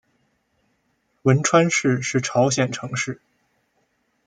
文川市是朝鲜城市。